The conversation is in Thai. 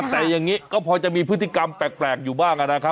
แต่อย่างนี้ก็พอจะมีพฤติกรรมแปลกอยู่บ้างนะครับ